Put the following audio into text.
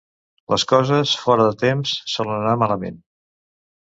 Les coses, fora de temps, solen anar malament.